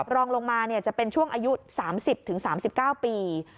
รองลงมาจะเป็นช่วงอายุ๓๐๓๙ปี